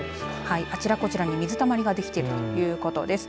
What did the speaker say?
あちらこちらに水たまりができているということです。